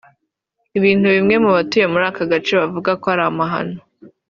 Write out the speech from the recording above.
ibintu bamwe mu batuye muri aka gace bavuga ko ari amahano